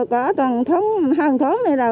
có toàn một tháng này là